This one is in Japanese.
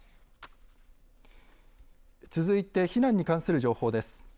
続いて避難に関する情報です。